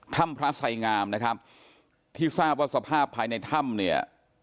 ถ้ำพระไสงามนะครับที่ทราบว่าสภาพภายในถ้ำเนี่ย